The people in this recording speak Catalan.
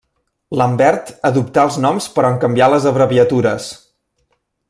Lambert adoptà els noms però en canvià les abreviatures.